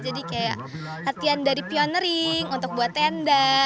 jadi kayak latihan dari pioneering untuk buat tenda